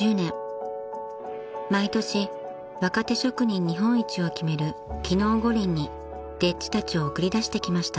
［毎年若手職人日本一を決める技能五輪に丁稚たちを送り出してきました］